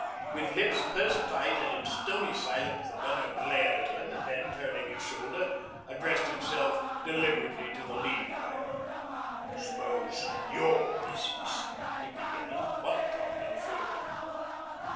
With lips pursed tight and in stony silence the Gunner glared at him, and then, turning his shoulder, addressed himself deliberately to the Lead Driver. 'S'pose your missis ...' he began, but got no further.